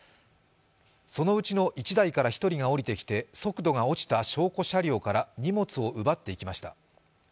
そのうちの１台から１人が降りてきて速度が落ちた証拠車両から荷物を奪っていきました。